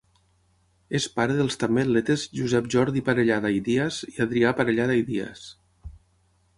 És pare dels també atletes Josep Jordi Parellada i Díaz i Adrià Parellada i Díaz.